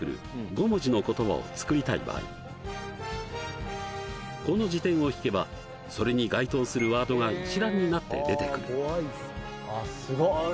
５文字の言葉を作りたい場合この辞典を引けばそれに該当するワードが一覧になって出てくる